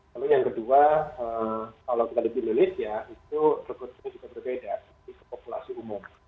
lalu yang kedua kalau kita lebih indonesia itu reputasi juga berbeda di populasi umum